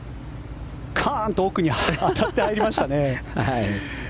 カーンと奥に当たって入りましたね。